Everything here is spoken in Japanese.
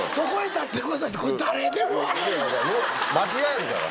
間違えるから。